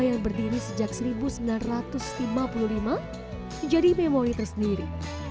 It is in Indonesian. yang berdiri sejak seribu sembilan ratus lima puluh lima menjadi memori tersendiri